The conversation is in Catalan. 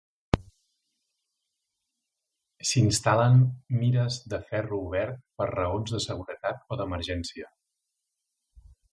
S'instal·len mires de ferro obert per raons de seguretat o d'emergència.